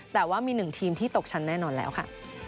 แต่ว่ามี๑ทีมที่ตกชั้นแน่นอนแล้วค่ะ